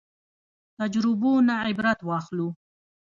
تجربو نه عبرت واخلو